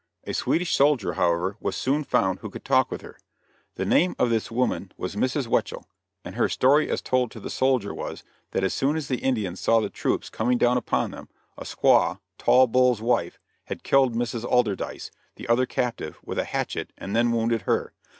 A Swedish soldier, however, was soon found who could talk with her. The name of this woman was Mrs. Weichel, and her story as told to the soldier was, that as soon as the Indians saw the troops coming down upon them, a squaw Tall Bull's wife had killed Mrs. Alderdice, the other captive, with a hatchet, and then wounded her.